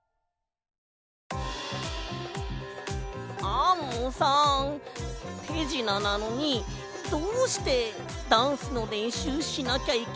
アンモさんてじななのにどうしてダンスのれんしゅうしなきゃいけないの？